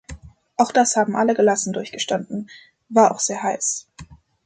Auch das haben alle gelassen durchgestanden war auch sehr heiß!